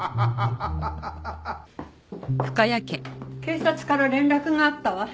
警察から連絡があったわ。